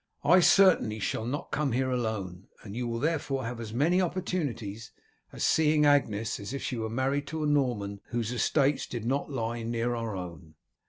I certainly shall not come alone, and you will therefore have as many opportunities of seeing Agnes as if she were married to a Norman whose estates did not lie near our own."